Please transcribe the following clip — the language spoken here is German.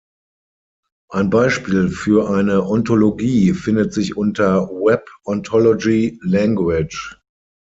Ein Beispiel für eine Ontologie findet sich unter Web Ontology Language.